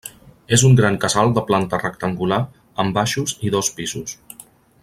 És un gran casal de planta rectangular, amb baixos i dos pisos.